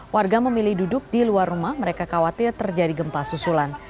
warga memilih duduk di luar rumah mereka khawatir terjadi gempa susulan